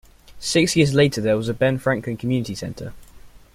Six years later there was a Ben Franklin Community Center.